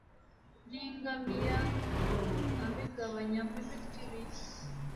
n ingamiya abigabanyamo imitwe ibiri